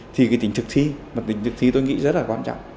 thì cái tính thực thi tính thực thi tôi nghĩ rất là quan trọng